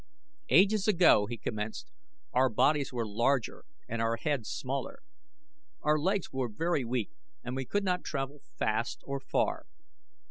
"Ages ago," he commenced, "our bodies were larger and our heads smaller. Our legs were very weak and we could not travel fast or far.